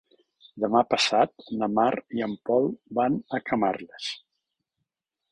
Demà passat na Mar i en Pol van a Camarles.